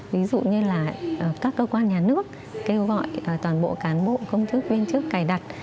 ví dụ như là các cơ quan nhà nước kêu gọi toàn bộ cán bộ công chức viên chức cài đặt